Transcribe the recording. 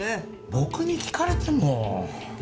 僕に聞かれても。